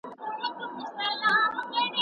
پخوا يوازې څو ژبې په دې سيستمونو کې شاملې وې.